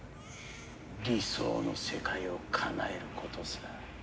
理想の世界をかなえることさ。